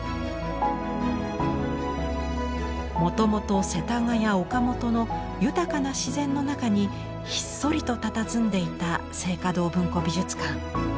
もともと世田谷・岡本の豊かな自然の中にひっそりとたたずんでいた静嘉堂文庫美術館。